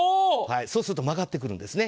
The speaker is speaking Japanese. そうすると曲がってくるんですね。